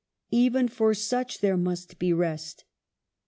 Even for such there must be rest.